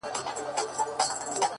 ستا د ښايستې خولې ښايستې خبري _